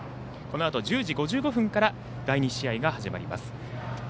このあと１０時５５分から第２試合が始まります。